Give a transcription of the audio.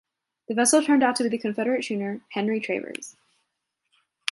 The vessel turned out to be the Confederate schooner "Henry Travers".